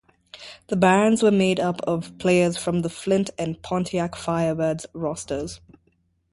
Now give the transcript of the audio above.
The Barons were made up of players from the Flint and Pontiac Firebirds rosters.